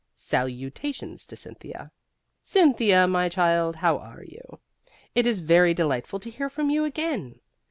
SALUTATION TO CYNTHIA Cynthia, my child: How are you? It is very delightful to hear from you again.